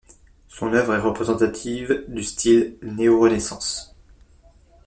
Son œuvre est représentative du Style néorenaissance.